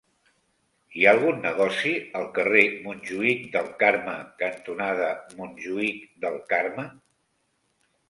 Hi ha algun negoci al carrer Montjuïc del Carme cantonada Montjuïc del Carme?